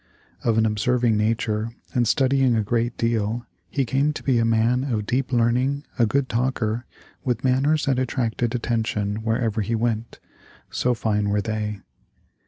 Of an observing nature, and studying a great deal, he came to be a man of deep learning, a good talker, with manners that attracted attention wherever he went so fine were they.